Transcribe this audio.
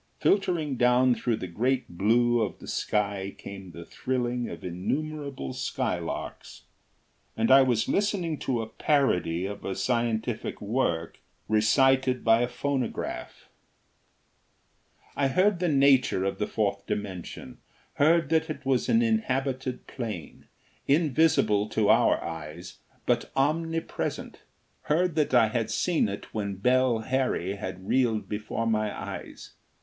Filtering down through the great blue of the sky came the thrilling of innumerable skylarks. And I was listening to a parody of a scientific work recited by a phonograph. I heard the nature of the Fourth Dimension heard that it was an inhabited plane invisible to our eyes, but omnipresent; heard that I had seen it when Bell Harry had reeled before my eyes.